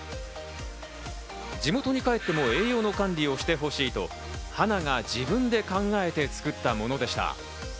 地元に帰っても栄養の管理をしてほしいと花が自分で考えて作ったものでした。